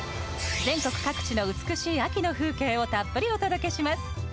全国各地の美しい秋の風景をたっぷりお届けします。